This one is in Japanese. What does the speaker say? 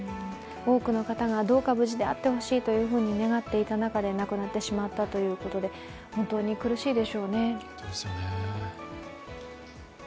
多くの方がどうか無事であってほしいと願っていた中で亡くなってしまったということで本当に苦しいでしょうね。